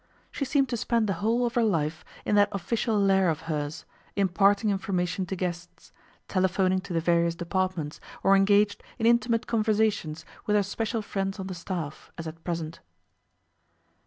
She seemed to spend the whole of her life in that official lair of hers, imparting information to guests, telephoning to the various departments, or engaged in intimate conversations with her special friends on the staff, as at present.